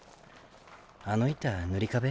あの板塗り壁？